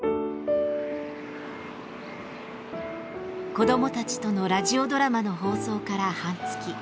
子どもたちとのラジオドラマの放送から半月。